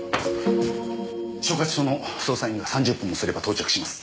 所轄署の捜査員が３０分もすれば到着します。